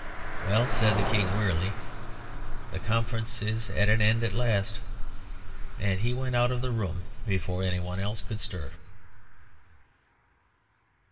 "Well," said the King, wearily, "the conference is at an end at last." And he went out of the room before any one else could stir.